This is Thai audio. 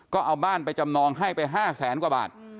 ก็เอาบ้านไปจำนองให้ไป๕แสนกว่าบาท